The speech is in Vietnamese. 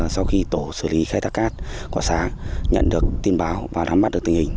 xử lý khai thác cắt quả sáng nhận được tin báo và đám mắt được tình hình